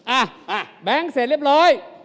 อ่ะแบงค์เสร็จเรียบร้อย